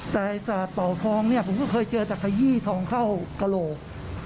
แต่สาดเป่าทองเนี่ยผมก็เคยเจอแต่ขยี้ทองเข้ากระโหลก